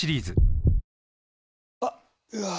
あっ、うわー。